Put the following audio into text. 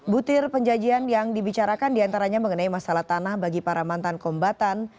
butir penjajian yang dibicarakan diantaranya mengenai masalah tanah bagi para mantan kombatan